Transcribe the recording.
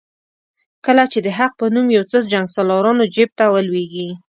کله چې د حق په نوم یو څه جنګسالارانو جیب ته ولوېږي.